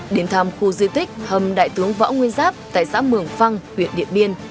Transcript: đến thăm khu di tích hầm đại tướng võ nguyên giáp tại xã mường phăng huyện điện biên